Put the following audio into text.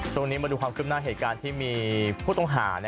ช่วงนี้มาดูความกลุ่มหน้าเกี่ยวกับผู้ต้องหา